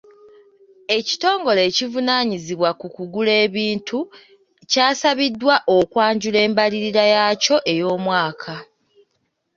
Ekitongole ekivunaanyizibwa kukugula ebintu kyasabiddwa okwanjula embalirira yaakyo ey'omwaka.